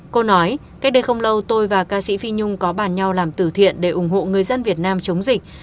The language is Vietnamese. cô nói cách đây không lâu tôi và ca sĩ phi nhung có bàn nhau làm tử thiện để ủng hộ người dân việt nam chống dịch